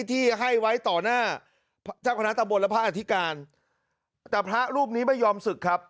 ที่ให้ไว้ต่อหน้าเจ้าคณะตะบนและพระอธิการแต่พระรูปนี้ไม่ยอมศึกครับ